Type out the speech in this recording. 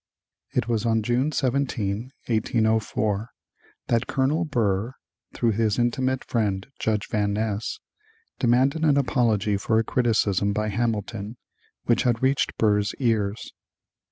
It was on June 17, 1804, that Colonel Burr, through his intimate friend Judge Van Ness, demanded an apology for a criticism by Hamilton which had reached Burr's ears.